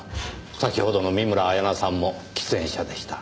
先ほどの見村彩那さんも喫煙者でした。